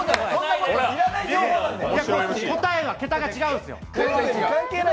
答えが桁が違うんですよ。